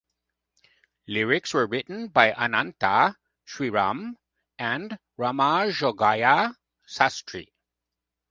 Lyrics were written by Ananta Sriram and Ramajogayya Sastry.